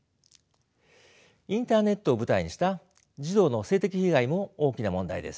インターネットを舞台にした児童の性的被害も大きな問題です。